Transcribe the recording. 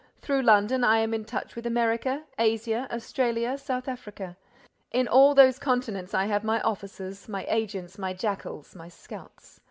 Through London, I am in touch with America, Asia, Australia, South Africa. In all those continents, I have my offices, my agents, my jackals, my scouts!